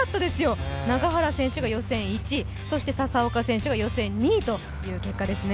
永原選手が予選１位、笹岡選手が予選４位という結果ですね。